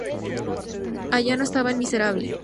Ayano estaba en Miserable.